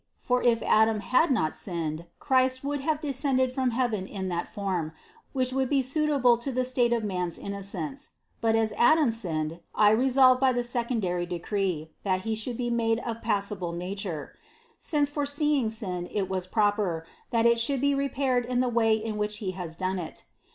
For if Adam had not sinned, Christ would have descended from heaven in that form, which would be suitable to the state of man's innocence; but as Adam sinned, I resolved by the secondary decree, that He should be made of passible nature; since foreseeing sin, it was proper, that it should be repaired in the way in which He has done it.